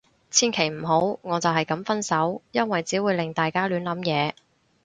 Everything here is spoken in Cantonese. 千祈唔好，我就係噉分手。因為只會令大家亂諗嘢